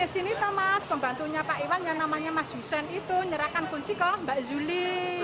susen itu nyerahkan kunci kok mbak zuli